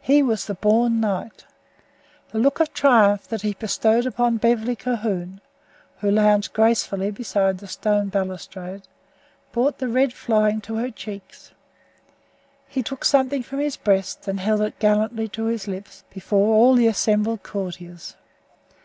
He was the born knight. The look of triumph that he bestowed upon Beverly Calhoun, who lounged gracefully beside the stone balustrade, brought the red flying to her cheeks. He took something from his breast and held it gallantly to his lips, before all the assembled courtiers.